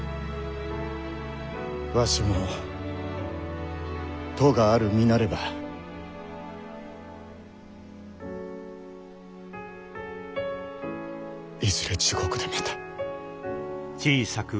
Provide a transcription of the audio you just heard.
わしも咎ある身なればいずれ地獄でまた。